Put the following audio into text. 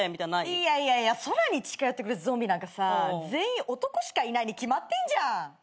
いやいやいやそらに近寄ってくるゾンビなんかさ全員男しかいないに決まってんじゃん。